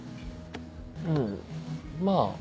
うんまぁ